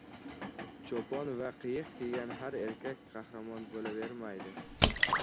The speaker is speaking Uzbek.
• Chopon va qiyiq kiygan har erkak qahramon bo‘lavermaydi.